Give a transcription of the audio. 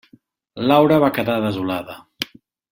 Laura va quedar desolada.